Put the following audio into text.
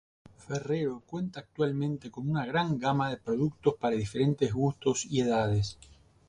Ferrero cuenta actualmente con una gran gama de productos para diferentes gustos y edades.